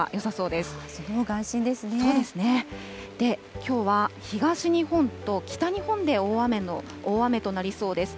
で、きょうは東日本と北日本で大雨となりそうです。